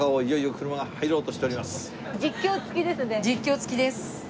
実況付きです。